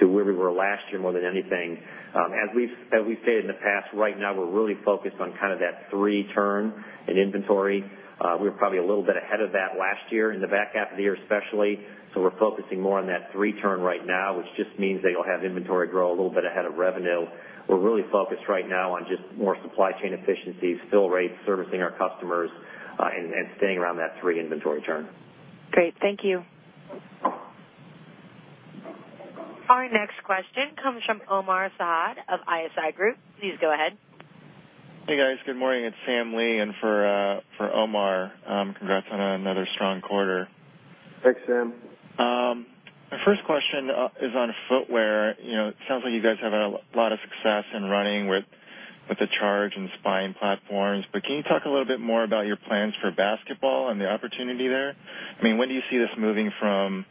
to where we were last year more than anything. As we've stated in the past, right now we're really focused on kind of that three turn in inventory. We were probably a little bit ahead of that last year in the back half of the year especially. We're focusing more on that three turn right now, which just means that you'll have inventory grow a little bit ahead of revenue. We're really focused right now on just more supply chain efficiencies, fill rates, servicing our customers, and staying around that three inventory turn. Great. Thank you. Our next question comes from Omar Saad of ISI Group. Please go ahead. Hey, guys. Good morning. It's Sam Lee in for Omar. Congrats on another strong quarter. Thanks, Sam. My first question is on footwear. It sounds like you guys are having a lot of success in running with the Charge and Spine platforms. Can you talk a little bit more about your plans for basketball and the opportunity there? When do you see this moving from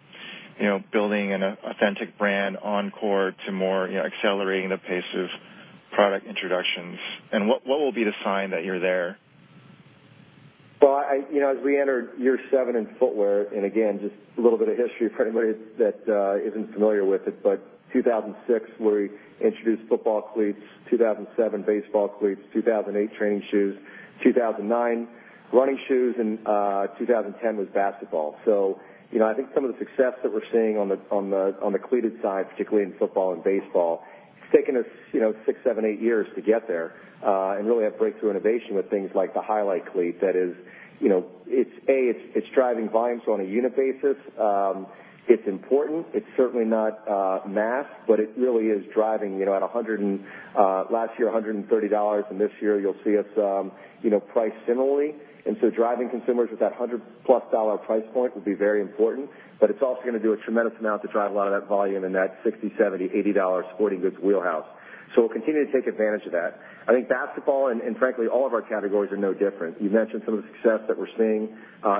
building an authentic brand on court to more accelerating the pace of product introductions? What will be the sign that you're there? As we enter year seven in footwear, again, just a little bit of history for anybody that isn't familiar with it, 2006, we introduced football cleats, 2007, baseball cleats, 2008, training shoes, 2009, running shoes, 2010 was basketball. I think some of the success that we're seeing on the cleated side, particularly in football and baseball, it's taken us six, seven, eight years to get there and really have breakthrough innovation with things like the Highlight cleat that is, A, it's driving volumes on a unit basis. It's important. It's certainly not mass, but it really is driving at, last year, $130, this year you'll see us price similarly. Driving consumers with that $100-plus dollar price point will be very important, but it's also going to do a tremendous amount to drive a lot of that volume in that $60, $70, $80 sporting goods wheelhouse. We'll continue to take advantage of that. I think basketball, and frankly, all of our categories are no different. You mentioned some of the success that we're seeing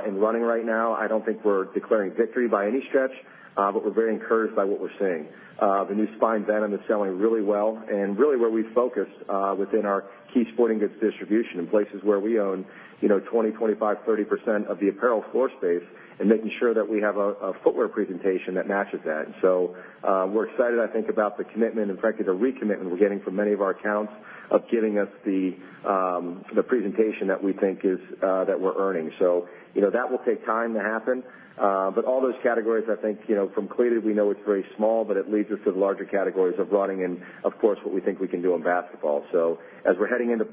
in running right now. I don't think we're declaring victory by any stretch, but we're very encouraged by what we're seeing. The new Spine Venom is selling really well, and really where we've focused within our key sporting goods distribution in places where we own 20%, 25%, 30% of the apparel floor space and making sure that we have a footwear presentation that matches that. We're excited, I think, about the commitment, in fact, the recommitment we're getting from many of our accounts of giving us the presentation that we think that we're earning. That will take time to happen. All those categories, I think, from cleated, we know it's very small, but it leads us to the larger categories of running and of course, what we think we can do in basketball. As we're heading into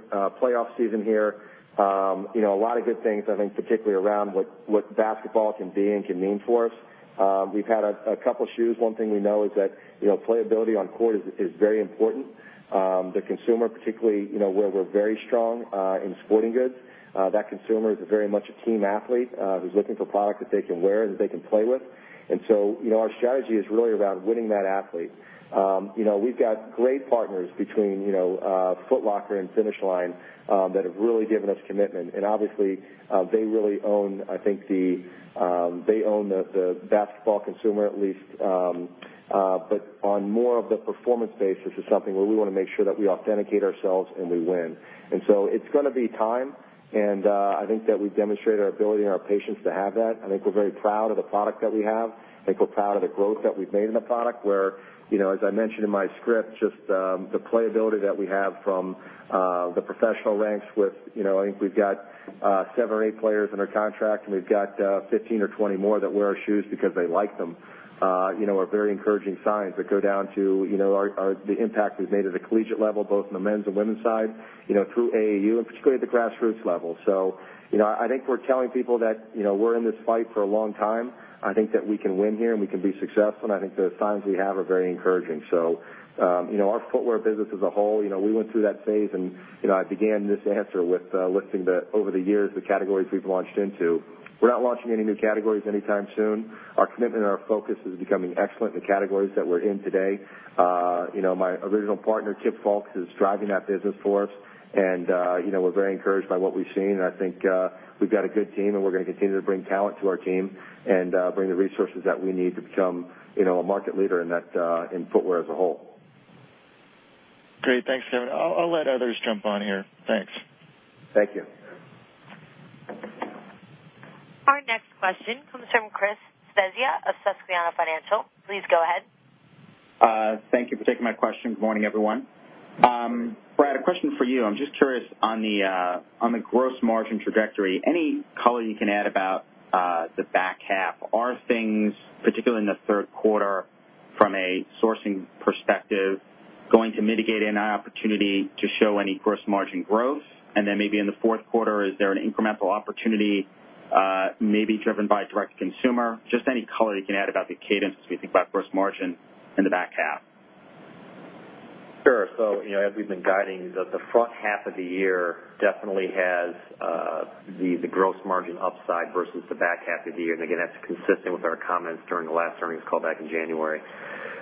playoff season here, a lot of good things, I think, particularly around what basketball can be and can mean for us. We've had a couple shoes. One thing we know is that playability on court is very important. The consumer, particularly, where we're very strong in sporting goods, that consumer is very much a team athlete who's looking for product that they can wear and that they can play with. Our strategy is really around winning that athlete. We've got great partners between Foot Locker and Finish Line that have really given us commitment. Obviously, they really own the basketball consumer, at least. But on more of the performance basis is something where we want to make sure that we authenticate ourselves and we win. It's going to be time, and I think that we've demonstrated our ability and our patience to have that. I think we're very proud of the product that we have. I think we're proud of the growth that we've made in the product where, as I mentioned in my script, just the playability that we have from the professional ranks with, I think we've got seven or eight players under contract, and we've got 15 or 20 more that wear our shoes because they like them, are very encouraging signs that go down to the impact we've made at the collegiate level, both in the men's and women's side, through AAU, and particularly at the grassroots level. I think we're telling people that we're in this fight for a long time. I think that we can win here and we can be successful, and I think the signs we have are very encouraging. Our footwear business as a whole, we went through that phase and I began this answer with listing the, over the years, the categories we've launched into. We're not launching any new categories anytime soon. Our commitment and our focus is becoming excellent in the categories that we're in today. My original partner, Kip Fulks, is driving that business for us. We're very encouraged by what we've seen, and I think we've got a good team, and we're going to continue to bring talent to our team and bring the resources that we need to become a market leader in footwear as a whole. Great. Thanks, Kevin. I'll let others jump on here. Thanks. Thank you. Our next question comes from Chris Svezia of Susquehanna Financial. Please go ahead. Thank you for taking my question. Good morning, everyone. Brad, a question for you. I'm just curious on the gross margin trajectory, any color you can add about the back half. Are things, particularly in the third quarter from a sourcing perspective, going to mitigate any opportunity to show any gross margin growth? Then maybe in the fourth quarter, is there an incremental opportunity maybe driven by direct consumer? Just any color you can add about the cadence as we think about gross margin in the back half. As we've been guiding, the front half of the year definitely has the gross margin upside versus the back half of the year. Again, that's consistent with our comments during the last earnings call back in January.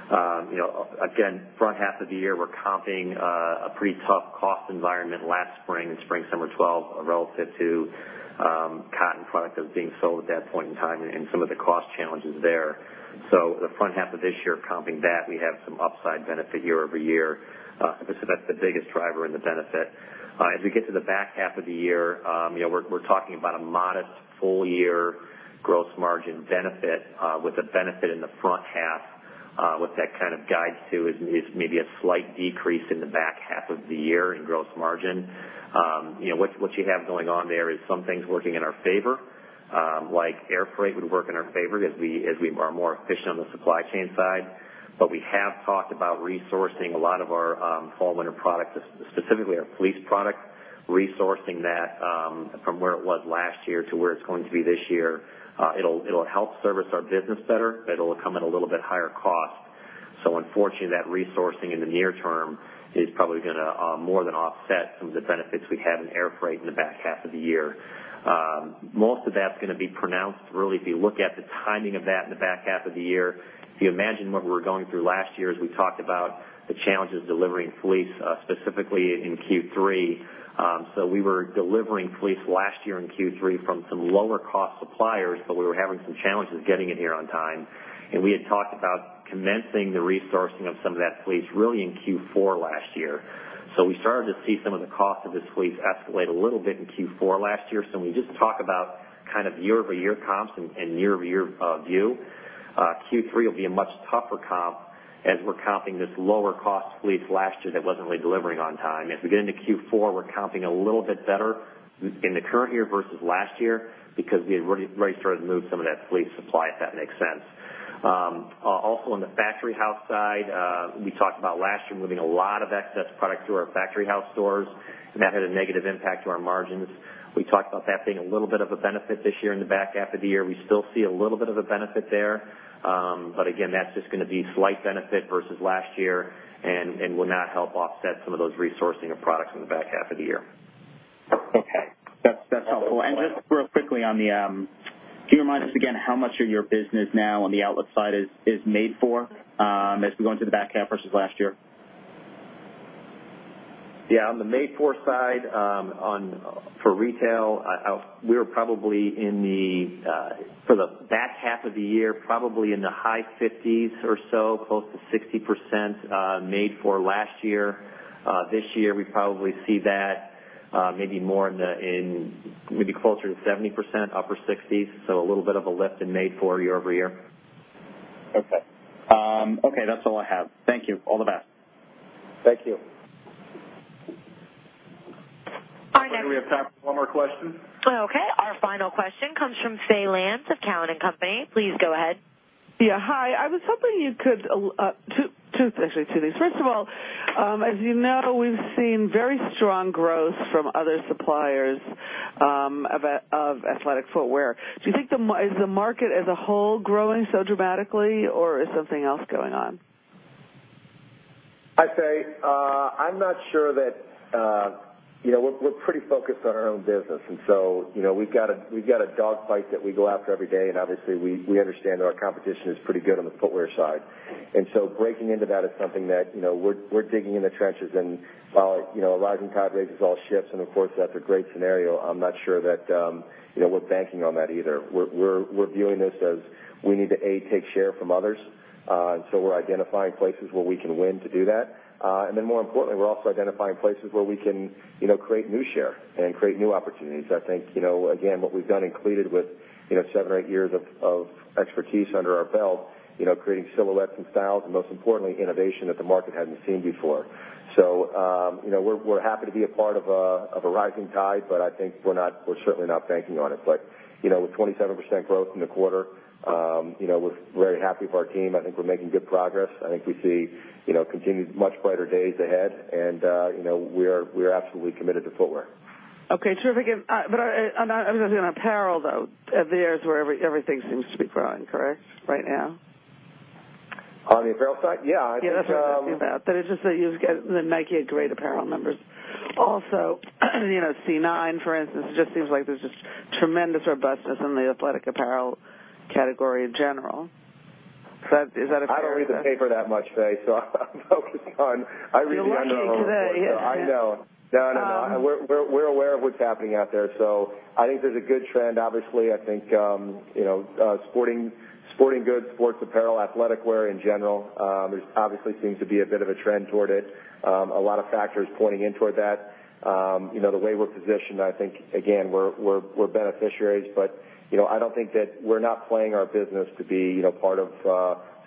Again, front half of the year, we're comping a pretty tough cost environment last spring and spring/summer 2012 relative to cotton product that was being sold at that point in time and some of the cost challenges there. The front half of this year, comping that, we have some upside benefit year-over-year. That's the biggest driver in the benefit. As we get to the back half of the year, we're talking about a modest full year gross margin benefit with a benefit in the front half. What that kind of guides to is maybe a slight decrease in the back half of the year in gross margin. What you have going on there is some things working in our favor. Like air freight would work in our favor as we are more efficient on the supply chain side. We have talked about resourcing a lot of our fall/winter product, specifically our fleece product, resourcing that from where it was last year to where it's going to be this year. It'll help service our business better. It'll come at a little bit higher cost. Unfortunately, that resourcing in the near term is probably going to more than offset some of the benefits we had in air freight in the back half of the year. Most of that's going to be pronounced really if you look at the timing of that in the back half of the year. If you imagine what we were going through last year as we talked about the challenges delivering fleece, specifically in Q3. We were delivering fleece last year in Q3 from some lower cost suppliers, we were having some challenges getting it here on time. We had talked about commencing the resourcing of some of that fleece really in Q4 last year. We started to see some of the cost of this fleece escalate a little bit in Q4 last year. When we just talk about kind of year-over-year comps and year-over-year view, Q3 will be a much tougher comp as we're comping this lower cost fleece last year that wasn't really delivering on time. As we get into Q4, we're comping a little bit better in the current year versus last year because we had already started to move some of that fleece supply, if that makes sense. On the Factory House side, we talked about last year moving a lot of excess product to our Factory House stores, that had a negative impact to our margins. We talked about that being a little bit of a benefit this year in the back half of the year. We still see a little bit of a benefit there. Again, that's just going to be slight benefit versus last year and will not help offset some of those resourcing of products in the back half of the year. Okay. That's helpful. Just real quickly, can you remind us again how much of your business now on the outlet side is made for as we go into the back half versus last year? Yeah. On the made for side, for retail, we were probably, for the back half of the year, probably in the high 50s or so, close to 60% made for last year. This year, we probably see that maybe closer to 70%, upper 60s. A little bit of a lift in made for year-over-year. Okay. That's all I have. Thank you. All the best. Thank you. Our next. I think we have time for one more question. Okay. Our final question comes from Faye Landes of Cowen and Company. Please go ahead. Yeah. Hi. Two things. First of all, as you know, we've seen very strong growth from other suppliers of athletic footwear. Is the market as a whole growing so dramatically, or is something else going on? Hi, Faye. We're pretty focused on our own business. We've got a dogfight that we go after every day, and obviously, we understand that our competition is pretty good on the footwear side. Breaking into that is something that we're digging in the trenches. While a rising tide raises all ships, of course, that's a great scenario, I'm not sure that we're banking on that either. We're viewing this as we need to, A, take share from others. We're identifying places where we can win to do that. More importantly, we're also identifying places where we can create new share and create new opportunities. I think, again, what we've done in cleated with seven or eight years of expertise under our belt, creating silhouettes and styles, and most importantly, innovation that the market hadn't seen before. We're happy to be a part of a rising tide, I think we're certainly not banking on it. With 27% growth in the quarter, we're very happy with our team. I think we're making good progress. I think we see continued much brighter days ahead, and we are absolutely committed to footwear. Okay. Terrific. I was asking on apparel, though. There's where everything seems to be growing, correct? Right now. On the apparel side? Yeah. Yeah, that's what I meant. It's just that you get the Nike had great apparel numbers. Also C9, for instance, it just seems like there's just tremendous robustness in the athletic apparel category in general. Is that a fair- I don't read the paper that much, Faye, so I'm focused on, I read the Under Armour reports. You're lucky today. I know. We're aware of what's happening out there, I think there's a good trend. Obviously, I think sporting goods, sports apparel, athletic wear in general, there's obviously seems to be a bit of a trend toward it. A lot of factors pointing in toward that. The way we're positioned, I think, again, we're beneficiaries, I don't think that we're not playing our business to be part of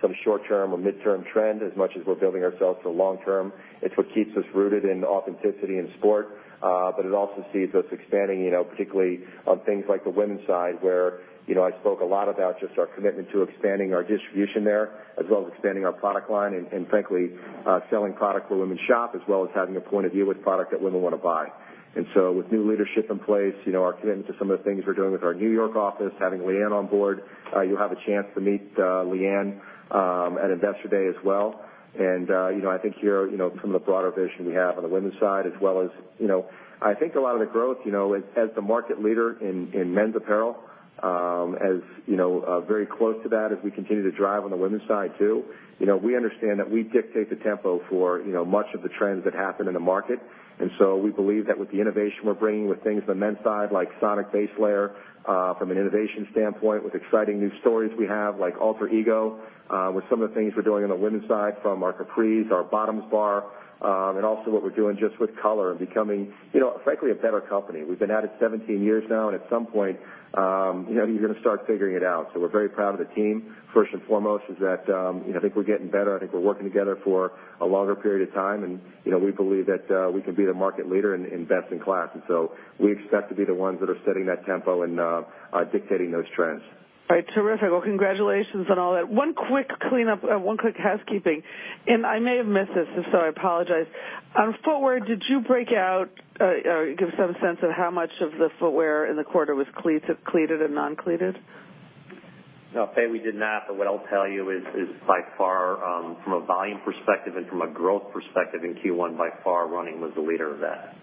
some short-term or midterm trend as much as we're building ourselves for long-term. It's what keeps us rooted in authenticity and sport. It also sees us expanding, particularly on things like the women's side, where I spoke a lot about just our commitment to expanding our distribution there, as well as expanding our product line and frankly, selling product where women shop, as well as having a point of view with product that women want to buy. With new leadership in place, our commitment to some of the things we're doing with our New York office, having Leanne on board. You'll have a chance to meet Leanne at Investor Day as well. I think you'll hear some of the broader vision we have on the women's side as well as I think a lot of the growth, as the market leader in men's apparel, as very close to that as we continue to drive on the women's side, too. We understand that we dictate the tempo for much of the trends that happen in the market. We believe that with the innovation we're bringing with things on the men's side, like Sonic Base Layer, from an innovation standpoint, with exciting new stories we have, like Alter Ego with some of the things we're doing on the women's side, from our capris, our bottoms bar, also what we're doing just with color and becoming frankly, a better company. We've been at it 17 years now, at some point you're going to start figuring it out. We're very proud of the team. First and foremost is that I think we're getting better. I think we're working together for a longer period of time, we believe that we can be the market leader and best in class. We expect to be the ones that are setting that tempo and dictating those trends. All right. Terrific. Well, congratulations on all that. One quick cleanup, one quick housekeeping. I may have missed this, if so, I apologize. On footwear, did you break out or give some sense of how much of the footwear in the quarter was cleated and non-cleated? No, Faye, we did not. What I'll tell you is by far, from a volume perspective and from a growth perspective in Q1, by far, running was the leader of that.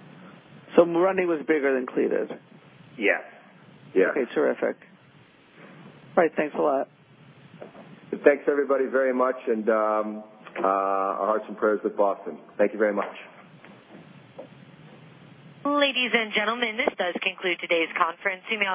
Running was bigger than cleated? Yes. Okay. Terrific. All right. Thanks a lot. Thanks, everybody, very much, and our hearts and prayers with Boston. Thank you very much. Ladies and gentlemen, this does conclude today's conference. You may dis-